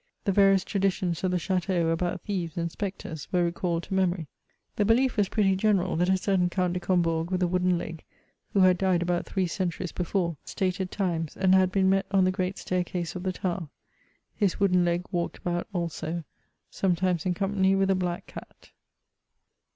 The various traditions of the chateau, about thieves and spectres, were recalled to memory. The behef was pretty general, that a certain Count de Combourg, with a wooden leg, who had died about three centuries before, appeared at stated tunes, and had been met on the great staircase of the tower ; his wooden leg walked about also, sometimes in company with a black cat.